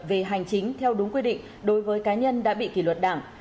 về hành chính theo đúng quy định đối với cá nhân đã bị kỷ luật đảng